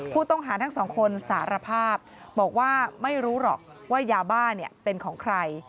ผู้ต้องหาทั้งสองคนสารภาพบอกว่าไม่รู้หรอกว่ายาบ้าเป็นของใคร